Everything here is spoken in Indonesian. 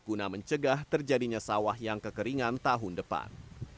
guna mencegah terjadinya sawah yang kekeringan tahun depan